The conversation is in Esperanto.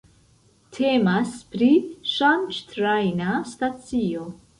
Temas pri ŝanĝtrajna stacio.